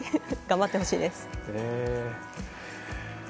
頑張ってほしいです。